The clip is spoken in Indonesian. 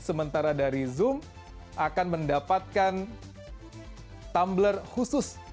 sementara dari zoom akan mendapatkan tumbler khusus